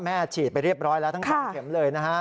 แม่ฉีดไปเรียบร้อยแล้วทั้ง๒เข็มเลย